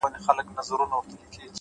پوهه د سبا لپاره غوره تیاری دی!